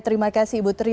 terima kasih ibu teri